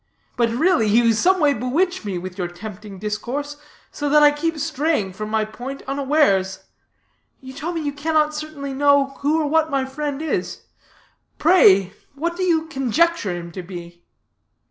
But really you someway bewitch me with your tempting discourse, so that I keep straying from my point unawares. You tell me you cannot certainly know who or what my friend is; pray, what do you conjecture him to be?"